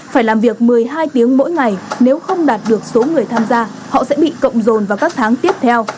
phải làm việc một mươi hai tiếng mỗi ngày nếu không đạt được số người tham gia họ sẽ bị cộng dồn vào các tháng tiếp theo